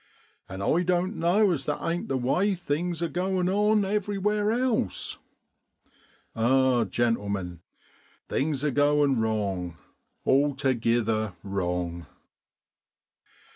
*An' I doan't know as that ain't the way things are goin' on everywhere else. Ah, gentlemen, things are goin' wrong altogither wrong!'